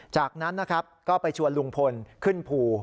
จากนั้นนะครับก็ไปชวนลุงพลขึ้นภู